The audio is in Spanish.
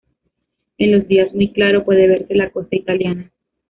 En los días muy claros, puede verse la costa italiana.